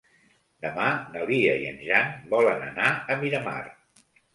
Demà na Lia i en Jan volen anar a Miramar.